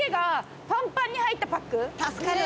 助かる！